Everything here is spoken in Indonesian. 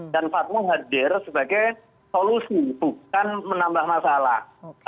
dan fatwa hadir sebagai solusi bukan menambah masalah